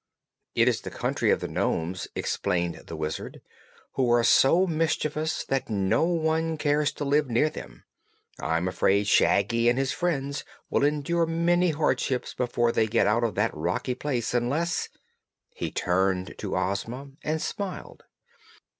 "It is the country of the nomes," explained the Wizard, "who are so mischievous that no one cares to live near them. I'm afraid Shaggy and his friends will endure many hardships before they get out of that rocky place, unless " He turned to Ozma and smiled.